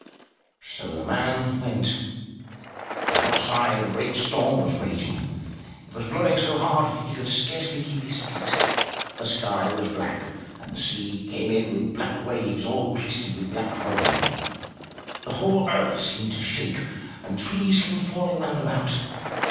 So the man went. But outside, a great storm was raging; it was blowing so hard, he could scarcely keep his feet. The sky was black, and the sea came in with black waves all crested with black foam. The whole earth seemed to shake, and trees came falling round about.